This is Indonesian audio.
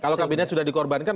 kalau kabinet sudah dikorbankan